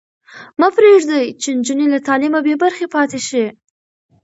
مه پرېږدئ چې نجونې له تعلیمه بې برخې پاتې شي.